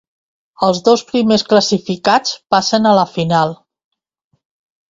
Els dos primers classificats passen a la final.